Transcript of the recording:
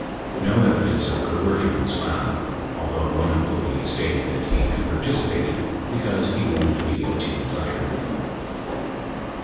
No evidence of coercion was found, although one em ployee stated that he had participated because he wanted to be a team player.